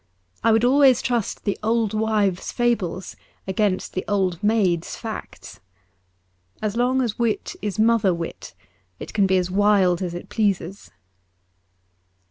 I would always trust the old wives' fables against the old maids' facts. As long as wit is mother wit it can be as wild as it pleases.